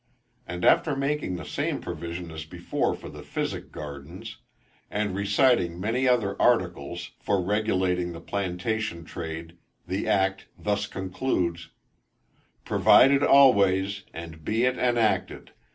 And after making the same provision as before for the physic gardens, and reciting many other articles for regulating the plantation trade, the act thus concludes: "Provided always, and be it enacted.